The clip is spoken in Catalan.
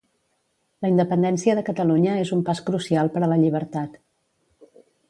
La independència de Catalunya és un pas crucial per a la llibertat